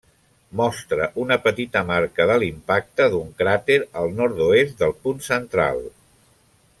Mostra una petita marca de l'impacte d'un cràter al nord-oest del punt central.